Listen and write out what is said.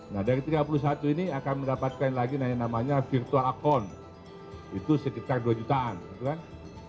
nah dari rp tiga puluh satu ini akan mendapatkan lagi yang namanya virtual account itu sekitar rp dua